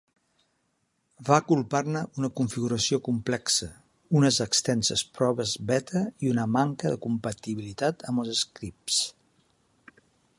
Va culpar-ne una configuració complexa, unes extenses proves beta i una manca de compatibilitat amb els scripts.